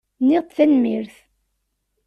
Nniɣ-d tanemmirt.